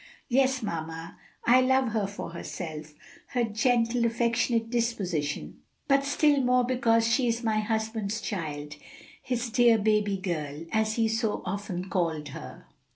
"Yes, mamma, I love her for herself her gentle, affectionate disposition but still more because she is my husband's child, his dear baby girl, as he so often called her."